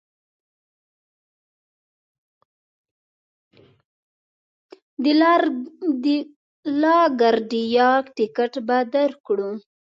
د لا ګارډیا ټکټ به درکړو.